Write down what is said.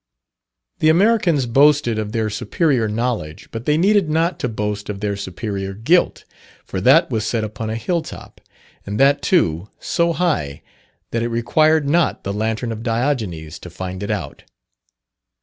The Americans boasted of their superior knowledge, but they needed not to boast of their superior guilt, for that was set upon a hill top, and that too, so high, that it required not the lantern of Diogenes to find it out.